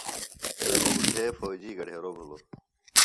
لکہ بُٹھے فوجی گھڈیروۡ بِھلوۡ